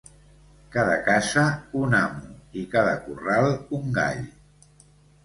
Cada casa un amo i cada corral un gall.